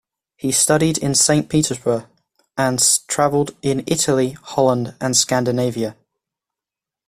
He studied at Saint Petersburg and travelled in Italy, Holland and Scandinavia.